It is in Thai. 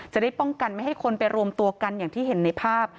จะได้ป้องกันไม่ให้คนไปรวมตัวกันอย่างที่เห็นในภาพ